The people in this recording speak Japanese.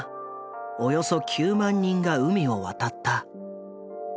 およそ９万人が海を渡った。